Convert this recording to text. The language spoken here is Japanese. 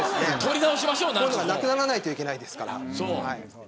こういうのは、なくならないといけないですから。